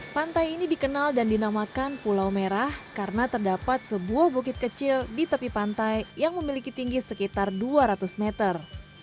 pantai ini dikenal dan dinamakan pulau merah karena terdapat sebuah bukit kecil di tepi pantai yang memiliki tinggi sekitar dua ratus meter